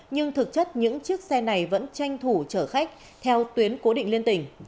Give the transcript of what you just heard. nhưng thực chất những chiếc xe này vẫn tranh thủ chở khách theo tuyến cố định liên tỉnh